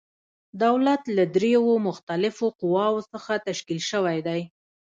دولت له دریو مختلفو قواوو څخه تشکیل شوی دی.